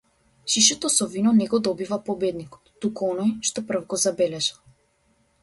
Шишето со вино не го добива победникот, туку оној што прв го забележал.